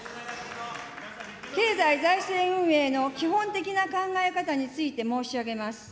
経済財政運営の基本的な考え方について申し上げます。